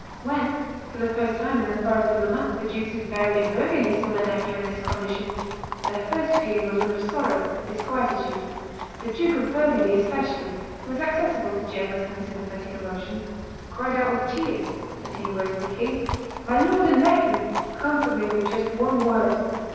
When, for the first time, in the forest of Le Mans, the Dukes of Berry and Burgundy saw their nephew in this condition, their first feeling was one of sorrow and disquietude. The Duke of Burgundy especially, who was accessible to generous and sympathetic emotions, cried out with tears, as he embraced the king, "My lord and nephew, comfort me with just one word!"